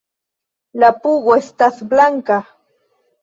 La pugo estas blanka.